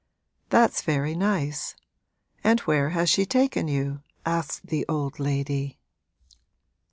'That's very nice. And where has she taken you?' asked the old lady.